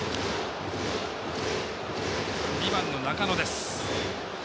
２番の中野です。